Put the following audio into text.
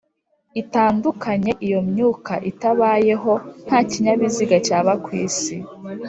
itandukanye Iyo myuka itabayeho nta kinyabuzima cyaba k isi